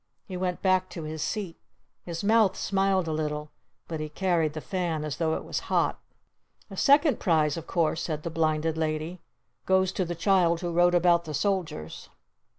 He went back to his seat! His mouth smiled a little! But he carried the Fan as though it was hot! "The second prize of course," said the Blinded Lady, "goes to the child who wrote about the soldiers!"